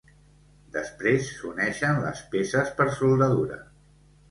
Després s'uneixen les peces per soldadura.